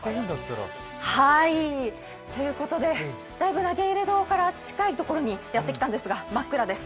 ということで、だいぶ投入堂から近いところにやってきたんですが真っ暗です。